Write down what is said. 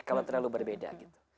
kalau terlalu berbeda gitu